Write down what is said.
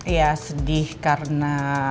ya sedih karena